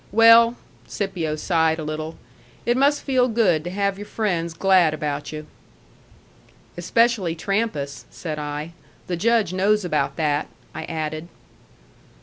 Well," Scipio sighed a little, "it must feel good to have your friends glad about you." "Especially Trampas," said I. "The Judge knows about that," I added.